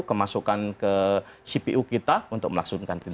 kemasukan ke cpu kita untuk melaksanakan pindahan